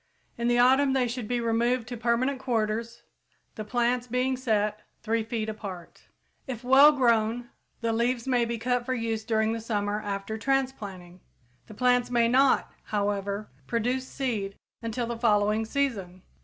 In the autumn they should be removed to permanent quarters, the plants being set 3 feet apart. If well grown, the leaves may be cut for use during the summer after transplanting; the plants may not, however, produce seed until the following season.